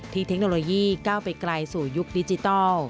เทคโนโลยีก้าวไปไกลสู่ยุคดิจิทัล